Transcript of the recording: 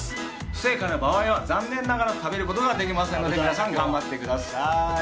不正解の場合は残念ながら食べることができないので皆さん頑張ってください。